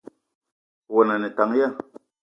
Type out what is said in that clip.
Owono a ne tank ya ?